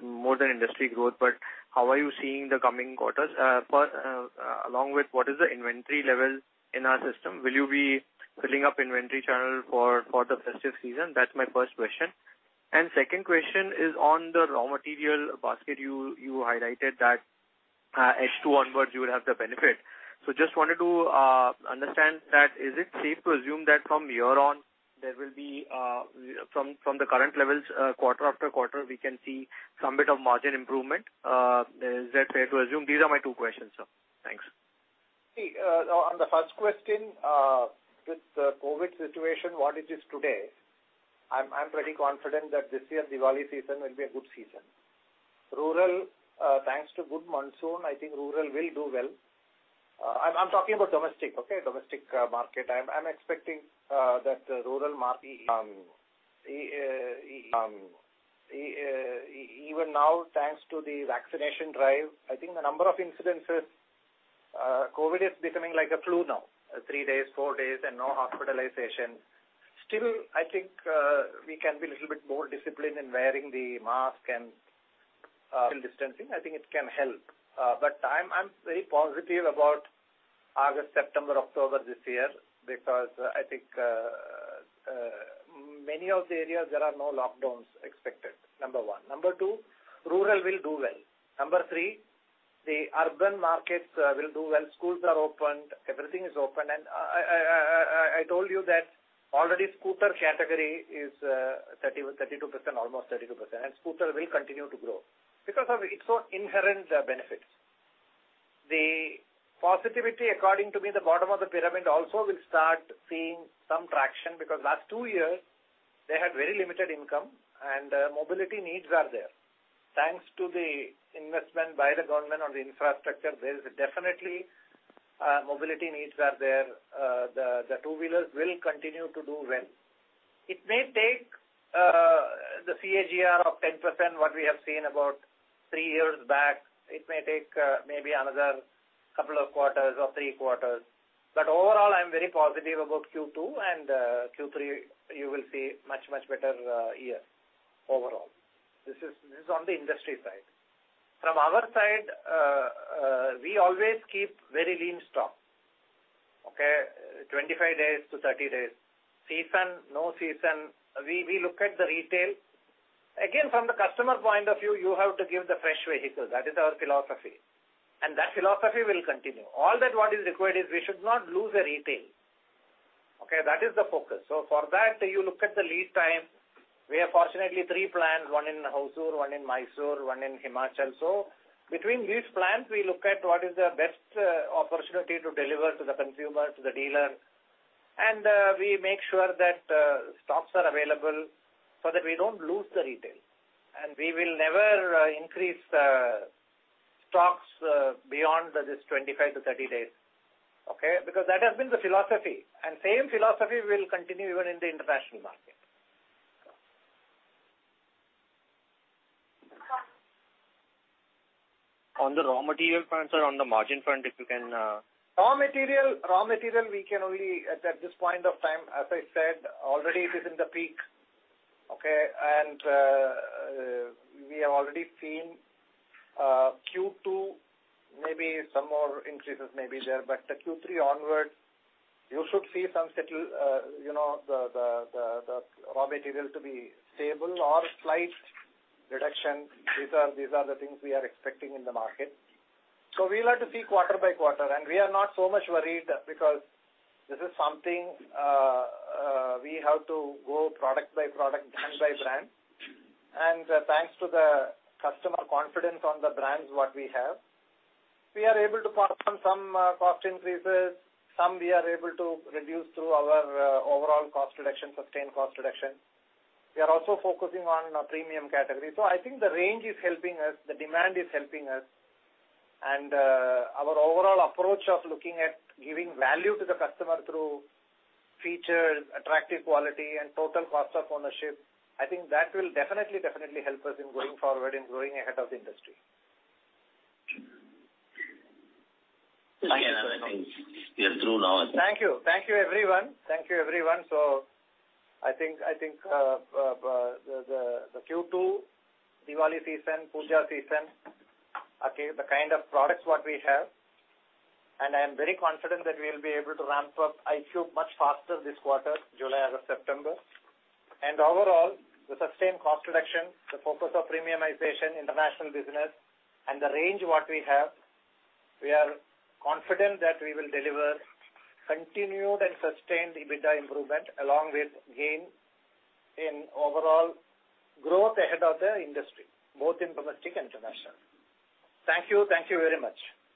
N: more than industry growth, but how are you seeing the coming quarters? For along with what is the inventory level in our system? Will you be filling up inventory channel for the festive season? That's my first question. Second question is on the raw material basket, you highlighted that H2 onwards, you will have the benefit. So just wanted to understand that is it safe to assume that from here on, there will be from the current levels quarter after quarter, we can see some bit of margin improvement? Is that fair to assume? These are my two questions, sir. Thanks.
B: On the first question, with the COVID situation, what it is today, I'm pretty confident that this year Diwali season will be a good season. Rural, thanks to good monsoon, I think rural will do well. I'm talking about domestic, okay? Domestic market. I'm expecting that even now, thanks to the vaccination drive, I think the number of incidents, COVID is becoming like a flu now. Three days, four days and no hospitalization. Still, I think we can be a little bit more disciplined in wearing the mask and social distancing. I think it can help. I'm very positive about August, September, October this year because I think many of the areas there are no lockdowns expected, Number 1. Number 2, rural will do well. Number 3, the urban markets will do well. Schools are open, everything is open. I told you that already scooter category is 32%, almost 32%, and scooter will continue to grow because of its own inherent benefits. The positivity, according to me, the bottom of the pyramid also will start seeing some traction because last two years they had very limited income and mobility needs are there. Thanks to the investment by the government on the infrastructure, there is definitely mobility needs are there. The two-wheelers will continue to do well. It may take the CAGR of 10%, what we have seen about 3 years back. It may take maybe another couple of quarters or 3 quarters. Overall, I'm very positive about Q2 and Q3, you will see much, much better year overall. This is on the industry side. From our side, we always keep very lean stock, okay? 25 days to 30 days. Season, no season, we look at the retail. Again, from the customer point of view, you have to give the fresh vehicle. That is our philosophy. That philosophy will continue. All that what is required is we should not lose the retail, okay? That is the focus. For that, you look at the lead time. We have fortunately three plants, one in Hosur, one in Mysore, one in Himachal. Between these plants, we look at what is the best opportunity to deliver to the consumer, to the dealer, and we make sure that stocks are available so that we don't lose the retail. We will never increase stocks beyond this 25-30 days, okay? Because that has been the philosophy, and same philosophy will continue even in the international market.
N: On the raw material front, sir, on the margin front, if you can,
B: Raw material we can only at this point of time, as I said, already it is in the peak. We have already seen Q2, maybe some more increases may be there. The Q3 onwards, you should see some settle, you know, the raw material to be stable or slight reduction. These are the things we are expecting in the market. We'll have to see quarter by quarter. We are not so much worried because this is something we have to go product by product, brand by brand. Thanks to the customer confidence on the brands what we have, we are able to pass on some cost increases. Some we are able to reduce through our overall cost reduction, sustained cost reduction. We are also focusing on premium category. I think the range is helping us, the demand is helping us. Our overall approach of looking at giving value to the customer through features, attractive quality and total cost of ownership, I think that will definitely help us in going forward in growing ahead of the industry.
F: I think we are through now.
B: Thank you, everyone. I think the Q2 Diwali season, Puja season, again, the kind of products what we have, and I am very confident that we will be able to ramp up iQube much faster this quarter, July as of September. Overall, the sustained cost reduction, the focus of premiumization, international business and the range what we have, we are confident that we will deliver continued and sustained EBITDA improvement along with gain in overall growth ahead of the industry, both in domestic and international. Thank you very much.